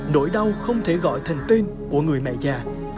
nỗi đau không thể gọi thành tên của người mẹ già